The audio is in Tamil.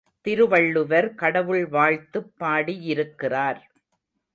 திருவள்ளுவர் கடவுள் வாழ்த்துப் பாடியிருக்கிறார்.